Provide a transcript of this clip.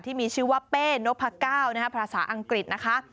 ที่มีชื่อว่าเป้นพก้าวภาษาอังกฤษนะคะ